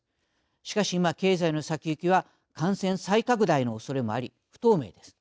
しかし今、経済の先行きは感染再拡大のおそれもあり不透明です。